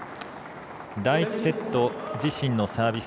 第１セット自身のサービス